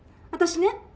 私ね